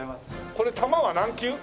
これ球は軟球？